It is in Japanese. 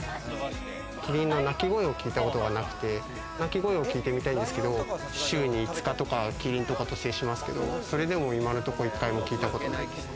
キリンの鳴き声を聞いたことがなくて、鳴き声を聞いてみたいんですけれども、週に５日とかキリンとかと接しますけれども、それでも今のところ１回も聞いたことないですね。